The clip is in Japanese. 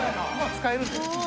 使えるんで。